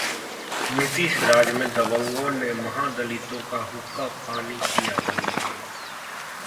नीतीश 'राज' में दबंगों ने महादलितों का हुक्का-पानी किया बंद